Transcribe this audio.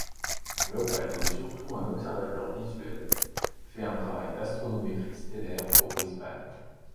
Dunlop a été surtout un observateur visuel, fait un travail d'astrométrie stellaire pour Brisbane.